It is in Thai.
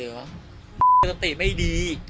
คืออย่างไม่ดี